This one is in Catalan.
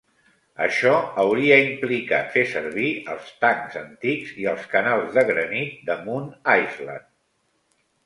Això hauria implicat fer servir els tancs antics i els canals de granit de Moon Island.